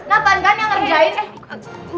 nathan kan yang ngerjain